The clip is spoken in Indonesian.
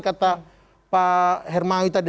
kata pak hermawitha